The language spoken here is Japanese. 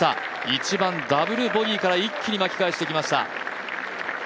１番ダブルボギーから一気に巻き返してきました。